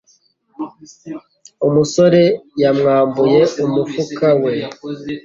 Umusore yamwambuye umufuka we.